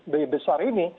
b besar ini